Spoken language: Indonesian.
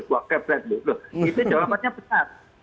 itu jawabannya benar